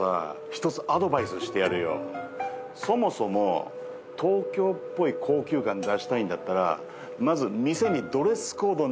そもそも東京っぽい高級感出したいんだったらまず店に。